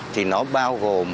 thì nó bao gồm